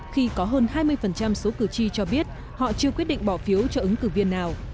khi có hơn hai mươi số cử tri cho biết họ chưa quyết định bỏ phiếu cho ứng cử viên nào